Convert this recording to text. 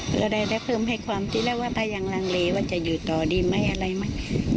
ก็ได้เพิ่มให้ความที่แล้วว่าถ้ายังลังเลว่าจะอยู่ต่อดีไหมอะไรไหม